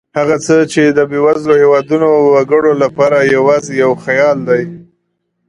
هغه څه چې د بېوزلو هېوادونو وګړو لپاره یوازې یو خیال دی.